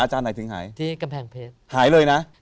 หายเลย